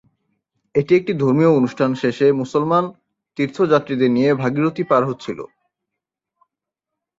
এটি একটি ধর্মীয় অনুষ্ঠান শেষে মুসলিম তীর্থযাত্রীদের নিয়ে ভাগীরথী পার হচ্ছিল।